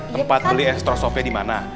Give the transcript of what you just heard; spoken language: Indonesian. tempat beli enstrostopnya dimana